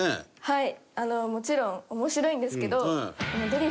はい。